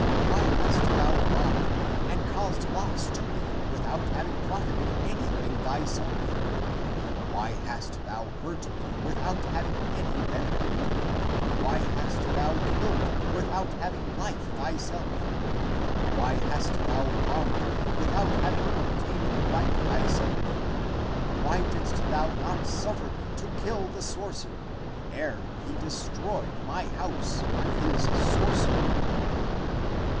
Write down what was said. Why hast thou robbed me and caused loss to me without having profited anything thyself? Why hast thou hurt me without having any benefit ? Why hast thou killed me without hav ing life thyself? Why hast thou wronged me with out having obtained the right thyself? Why didst thou not suffer me to kill the sorcerer, ere he de stroyed my house by his sorcery?